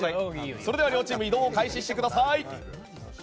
それでは両チーム移動を開始してください。